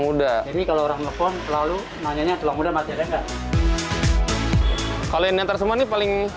muda ini kalau orang nelfon lalu nanyanya tulang muda masih ada enggak kalian yang tersebut paling